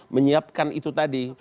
menyiapkan itu tadi